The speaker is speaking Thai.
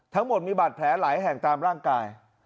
ทั้งหมดมีบาดแผลหลายแห่งตามร่างกาย